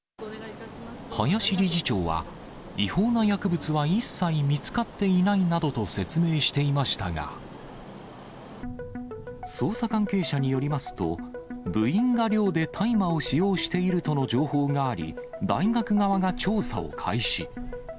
林理事長は、違法な薬物は一切見つかっていないなどと説明していましたが、捜査関係者によりますと、部員が寮で大麻を使用しているとの情報があり、大学側が調査を開始。